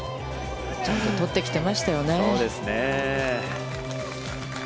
ちゃんと取ってきてましたよね。